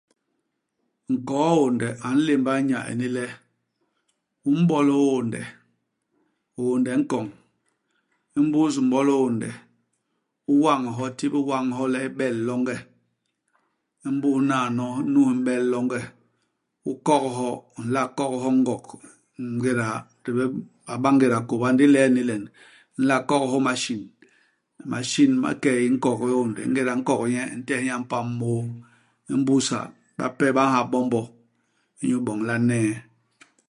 Nkoo-hiônde a nlémba iñya ini le, u m'bol hiônde, hiônde hi nkoñ. Imbus u m'bol hiônde, u wañ hyo, u tibil wañ hyo le hi bel longe. Imbus naano nu hi m'bel longe, u kok hyo. U nla kok hyo i ngok. Ingéda di bé a ba ngéda kôba, ndi ilen ini len, u nla kok hyo i masin. Masin ma ikey i nkok hiônde. Ingéda u nkok ñye, u ntehe ñye a mpam môô. Imbus ha, bape ba nha bombo, iñyu iboñ le a n'nee.